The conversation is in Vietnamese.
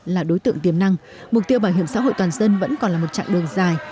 là đối tượng tiềm năng mục tiêu bảo hiểm xã hội toàn dân vẫn còn là một chặng đường dài